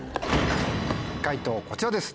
解答こちらです。